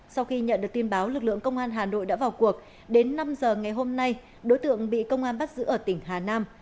sau khi nhận được tin báo lực lượng công an hà nội đã vào cuộc đến năm giờ ngày hôm nay đối tượng bị công an bắt giữ ở tỉnh hà nam